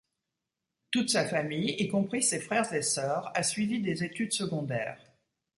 Toute sa famille, y compris ses frères et sœurs, a suivi des études secondaires.